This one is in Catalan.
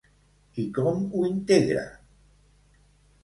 I com ho integra?